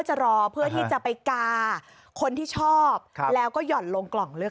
จะรอเพื่อที่จะไปกาคนที่ชอบแล้วก็หย่อนลงกล่องเลือก